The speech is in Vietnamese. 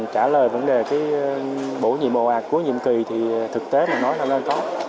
trả lời vấn đề bổ nhiệm bồ ạt của nhiệm kỳ thì thực tế mà nói là nó có